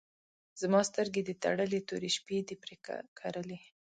زما سترګې دي تړلي، تورې شپې دي پر کرلي